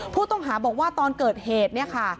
ผู้ต้องหาบอกว่าตอนเกิดเหตุเนี่ยค่ะ